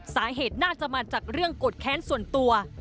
สาเหตุน่าจะมาจากเรื่องโกรธแค้นส่วนตัว